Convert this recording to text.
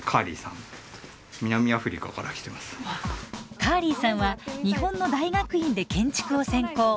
カーリーさんは日本の大学院で建築を専攻。